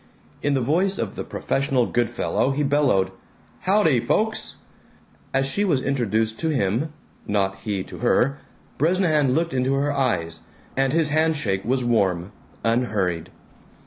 In the voice of the professional Good Fellow he bellowed, "Howdy, folks!" As she was introduced to him (not he to her) Bresnahan looked into her eyes, and his hand shake was warm, unhurried.